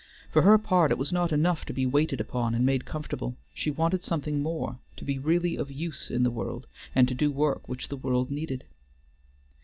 For her part it was not enough to be waited upon and made comfortable, she wanted something more, to be really of use in the world, and to do work which the world needed.